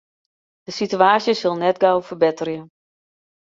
De sitewaasje sil net gau ferbetterje.